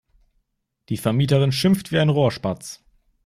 Die Vermieterin schimpft wie ein Rohrspatz.